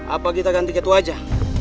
apa kita ganti gitu aja